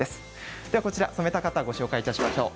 では、こちら染めた方ご紹介いたしましょう。